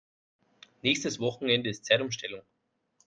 Nächstes Wochenende ist Zeitumstellung.